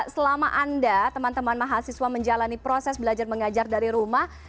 selama anda teman teman mahasiswa menjalani proses belajar mengajar dari rumah